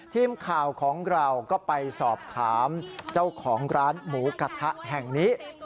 ทีมข่าวของเราก็ไปสอบถามเจ้าของร้านหมูกระทะแห่งนี้